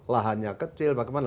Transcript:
lahannya kecil bagaimana